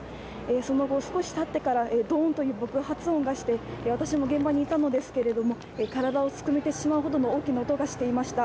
その後、少したってからドンという爆発音がして私も現場にいたんですが体をすくめてしまうほどの大きな音がしていました。